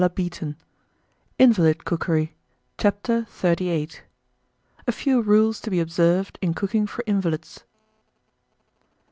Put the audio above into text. INVALID COOKERY. CHAPTER XXXVIII. A FEW RULES TO BE OBSERVED IN COOKING FOR INVALIDS.